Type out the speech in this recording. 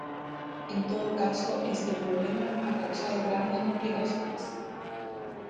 En todo caso, este problema ha causado grandes complicaciones.